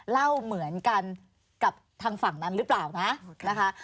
เล่าเหมือนกันกับทางฝั่งนั้นหรือเปล่านะนะคะ